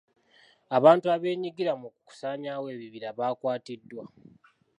Abantu abeenyigira mu kusaanyawo ebibira bakwatiddwa.